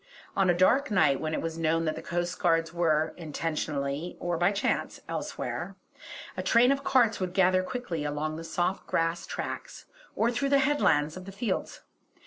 On a dark night when it was known that the coastguards were, intentionally or by chance, elsewhere, a train of carts would gather quickly along the soft grass tracks, or through the headlands of the fields.